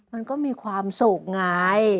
มันก็มีความสุขไง